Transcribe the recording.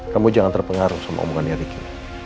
kamu jangan terpengaruh sama omongannya ricky